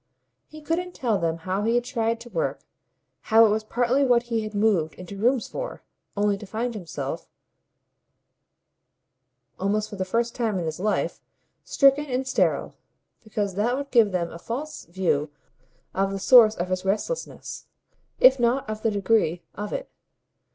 He couldn't tell them how he had tried to work, how it was partly what he had moved into rooms for, only to find himself, almost for the first time in his life, stricken and sterile; because that would give them a false view of the source of his restlessness, if not of the degree of it.